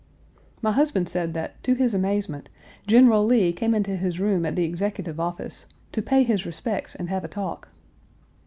My husband said that, to his amazement, General Lee came into his room at the Executive Office to "pay his respects and have a talk."